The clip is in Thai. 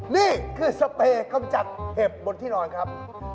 นี่คือสเปรยกำจัดเห็บบนที่นอนครับ